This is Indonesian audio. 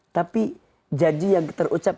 tapi janji yang terucap